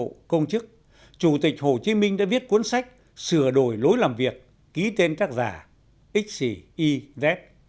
trong bộ công chức chủ tịch hồ chí minh đã viết cuốn sách sửa đổi lối làm việc ký tên các giả xì y z